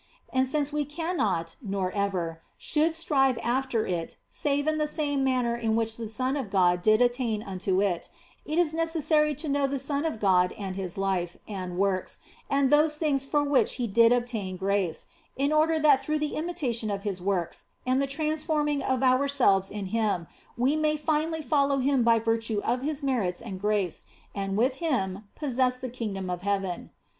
And since we cannot nor ever should strive after it save in the same manner in which the Son of God did attain unto it, it is necessary to know the Son of God and His life and works and those things for the which He did obtain grace, in order that through the imitation of His works and the transforming of ourselves in Him, we may finally follow Him by virtue of His merits and grace, and with Him possess the King dom of Heaven.